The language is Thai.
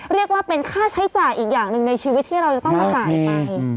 เรียกว่าเป็นค่าใช้จ่ายอีกอย่างหนึ่งในชีวิตที่เราจะต้องมาจ่ายไป